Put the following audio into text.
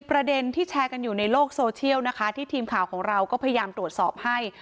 ประเด็นที่แชร์กันอยู่ในโลกโซเชียลนะคะที่ทีมข่าวของเราก็พยายามตรวจสอบให้